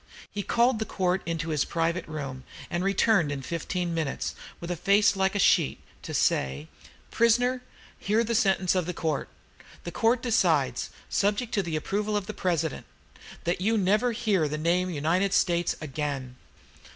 He called the court into his private room, and returned in fifteen minutes, with a face like a sheet, to say, "Prisoner, hear the sentence of the Court! The Court decides, subject to the approval of the President, that you never hear the name of the United States again."